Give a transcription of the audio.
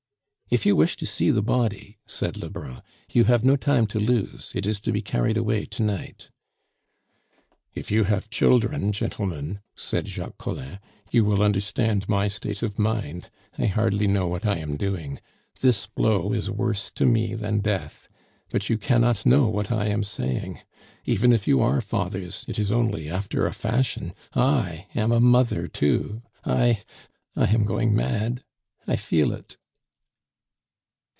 "If you wish to see the body," said Lebrun, "you have no time to lose; it is to be carried away to night." "If you have children, gentlemen," said Jacques Collin, "you will understand my state of mind; I hardly know what I am doing. This blow is worse to me than death; but you cannot know what I am saying. Even if you are fathers, it is only after a fashion I am a mother too I I am going mad I feel it!"